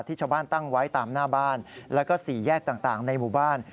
ชาวบ้านตั้งไว้ตามหน้าบ้านแล้วก็สี่แยกต่างในหมู่บ้าน